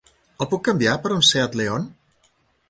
El puc canviar per un Seat León?